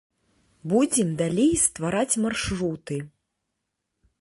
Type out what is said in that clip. Будзем далей ствараць маршруты.